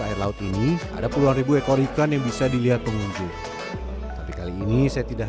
air laut ini ada puluhan ribu ekor ikan yang bisa dilihat pengunjung tapi kali ini saya tidak